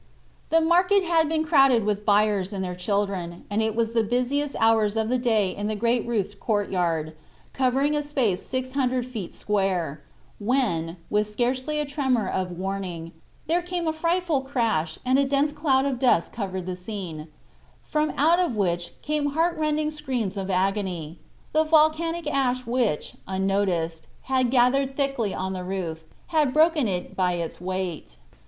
The market had been crowded with buyers and their children, and it was the busiest hours of the day in the great roofed courtyard, covering a space 600 feet square, when, with scarcely a tremor of warning, there came a frightful crash and a dense cloud of dust covered the scene, from out of which came heartrending screams of agony. The volcanic ash which, unnoticed, had gathered thickly on the roof, had broken it in by its weight.